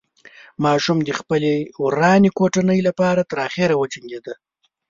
ماشوم د خپلې ورانې کوټنۍ له پاره تر اخره وجنګېده.